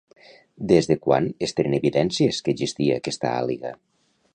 Des de quan es tenen evidències que existia aquesta Àliga?